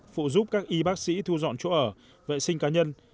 phụ giúp các y bác sĩ thu dọn chỗ ở vệ sinh cá nhân